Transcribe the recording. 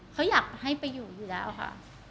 เขาอยากให้ไปอยู่อยู่แล้วค่ะ